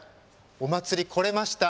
お祭り、来れました！